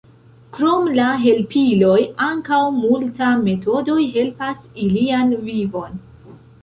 Krom la helpiloj ankaŭ multa metodoj helpas ilian vivon.